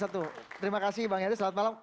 terima kasih bang yadi selamat malam